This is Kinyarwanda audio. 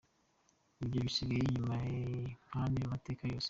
Ibyo bisigaye inyuma nk’andi mateka yose.